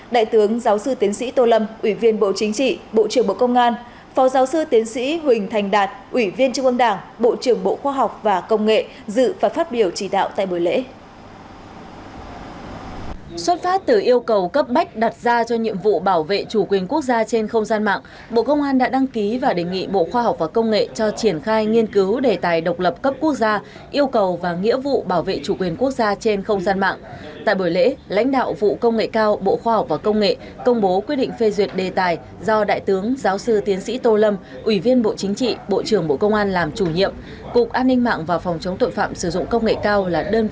đại tướng giáo sư tiến sĩ tô lâm ủy viên bộ chính trị bộ trưởng bộ công an phó giáo sư tiến sĩ huỳnh thành đạt ủy viên trung ương đảng phó giáo sư tiến sĩ huỳnh thành đạt ủy viên trung ương đảng phó giáo sư tiến sĩ huỳnh thành đạt phó giáo sư tiến sĩ huỳnh thành đạt